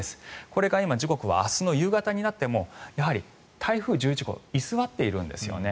これが今、時刻は明日の夕方になっても台風１１号居座っているんですよね